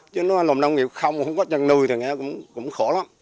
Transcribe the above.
chứ nó lòng năm người không không có chân nuôi thì nghe cũng khổ lắm